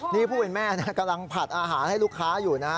นี่ผู้เป็นแม่กำลังผัดอาหารให้ลูกค้าอยู่นะ